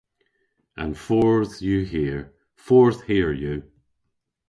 An fordh yw hir. Fordh hir yw.